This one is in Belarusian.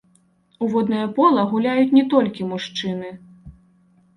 У воднае пола гуляюць не толькі мужчыны.